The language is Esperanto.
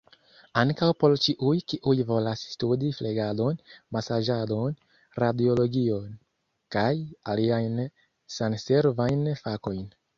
Ankaŭ por ĉiuj kiuj volas studi flegadon, masaĝadon, radiologion, kaj aliajn sanservajn fakojn.